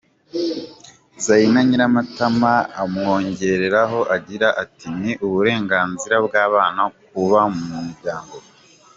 Zaina Nyiramatama amwongereraho agira ati : "Ni uburenganzira bw’abana kuba mu miryango.